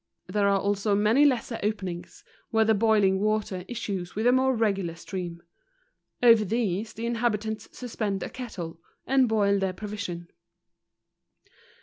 There are also many lesser openings, where the boiling water issues with a more regular stream. Over these the inhabitants suspend a kettle, and boil their provision.